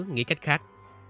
nghĩ cách khác